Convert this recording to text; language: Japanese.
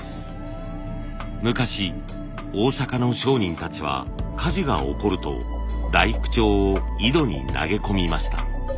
昔大阪の商人たちは火事が起こると大福帳を井戸に投げ込みました。